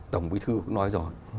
tổng bí thư cũng nói rồi